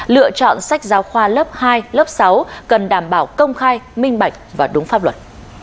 lựa chọn sách giáo khoa lớp hai lớp sáu cần đảm bảo công khai minh bạch và đúng pháp luật